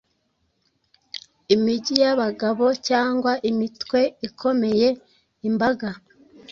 Imijyi yabagabo, cyangwa imitweikomeyeImbaga,